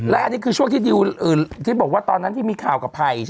และอันนี้คือช่วงที่ดิวที่บอกว่าตอนนั้นที่มีข่าวกับไผ่